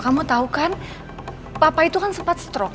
kamu tahu kan papa itu kan sempat stroke